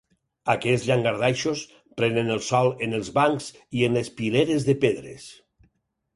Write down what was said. Aquests llangardaixos prenen el sol en els bancs i en les pileres de pedres.